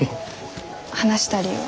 話したりは。